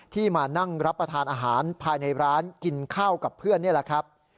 มานั่งรับประทานอาหารภายในร้านกินข้าวกับเพื่อนนี่แหละครับ